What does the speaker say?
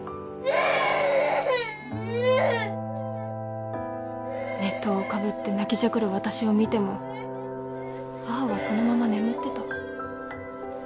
うぅ熱湯をかぶって泣きじゃくる私を見ても母はそのまま眠ってた。